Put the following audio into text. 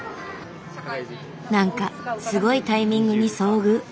何かすごいタイミングに遭遇。